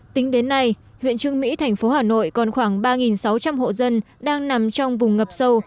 tính đến nay huyện trương mỹ thành phố hà nội còn khoảng ba sáu trăm linh hộ dân đang nằm trong vùng ngập sâu